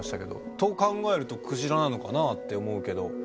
と考えるとクジラなのかなって思うけど。